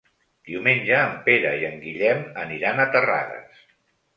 Diumenge en Pere i en Guillem aniran a Terrades.